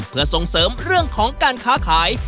เพื่อส่งเสริมเรื่องของการค้าขาย